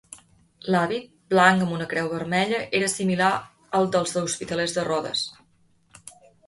L'hàbit, blanc amb una creu vermella, era similar al dels Hospitalers de Rodes.